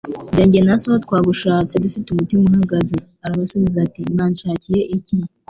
Dore njye na so twagushatse dufite umutima uhagaze.» Arabasubiza ati : «Mwanshakiye iki ?